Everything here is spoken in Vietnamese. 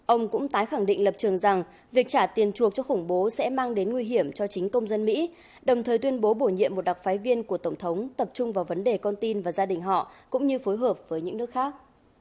ông cũng tái khẳng định lập trường rằng việc trả tiền chuộc cho khủng bố sẽ mang đến nguy hiểm cho chính công dân mỹ đồng thời tuyên bố bổ nhiệm một đặc phái viên của tổng thống tập trung vào vấn đề con tin và gia đình họ cũng như phối hợp với những nước khác